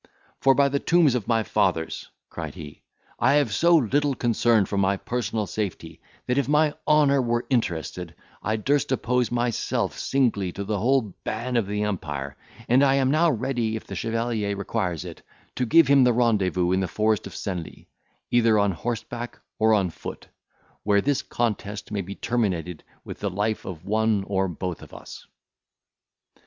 "For, by the tombs of my fathers," cried he, "I have so little concern for my personal safety, that, if my honour were interested, I durst oppose myself singly to the whole ban of the empire; and I am now ready, if the chevalier requires it, to give him the rendezvous in the forest of Senlis, either on horseback or on foot, where this contest may be terminated with the life of one or both of us."